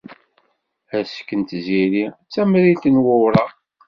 Asefk n Tiziri d tamrilt n wureɣ.